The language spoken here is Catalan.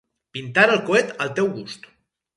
Pintar el coet al teu gust.